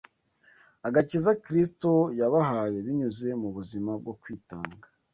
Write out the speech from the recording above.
agakiza Kristo yabahaye binyuze mu buzima bwo kwitanga,